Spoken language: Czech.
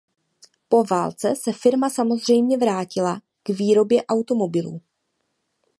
Po válce se firma samozřejmě vrátila k výrobě automobilů.